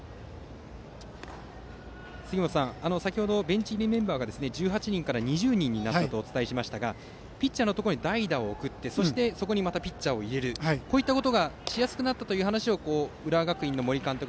杉本さん、先程ベンチ入りメンバーが１８人から２０人になったとお伝えしましたがピッチャーのところに代打を送りそこにまたピッチャーを入れるということがしやすくなったという話を浦和学院の森監督